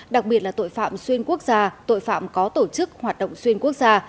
đặc biệt là tội phạm xuyên quốc gia tội phạm có tổ chức hoạt động xuyên quốc gia